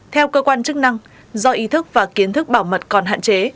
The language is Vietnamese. theo cơ quan chức năng do ý thức và kiến thức bảo mật còn hạn chế